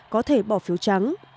có thể bỏ phiếu trắng